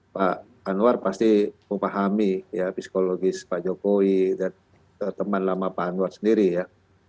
pak anwar pasti memahami psikologis pak jokowi dan teman lama pak anwar sendiri ya